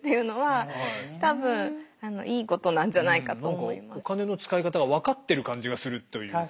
そういう何かお金の使い方が分かってる感じがするというか。